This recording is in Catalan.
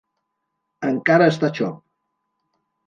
Encara està xop.